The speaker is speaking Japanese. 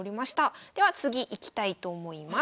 では次いきたいと思います。